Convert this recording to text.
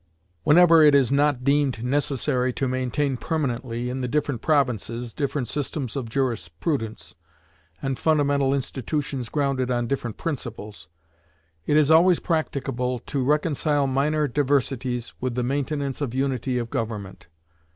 Whenever it is not deemed necessary to maintain permanently, in the different provinces, different systems of jurisprudence, and fundamental institutions grounded on different principles, it is always practicable to reconcile minor diversities with the maintenance of unity of government.